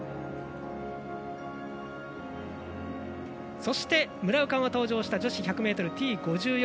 そして、村岡が登場した女子１００Ｔ５４。